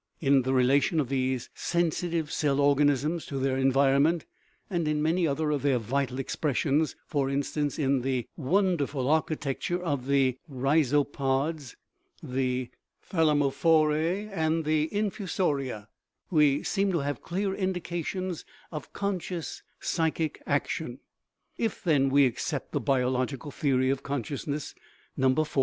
In the relation of these sensitive cell organisms to their environment, and in many other of their vital expressions (for instance, in the wonder ful architecture of the rhizopods, the thalamophorae, and the infusoria), we seemed to have clear indications of conscious psychic action. If, then, we accept the biological theory of consciousness (No. IV.)